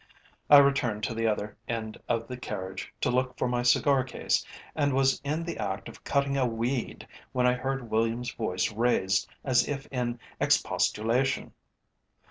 I returned to the other end of the carriage to look for my cigar case and was in the act of cutting a weed when I heard Williams' voice raised as if in expostulation.